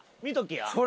見ときや。